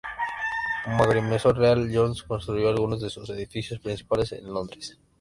Como agrimensor real, Jones construyó algunos de sus edificios principales en Londres.